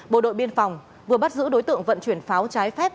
bộ đội biên phòng vừa bắt giữ đối tượng vận chuyển pháo trái phép